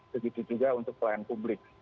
begitu juga untuk pelayanan publik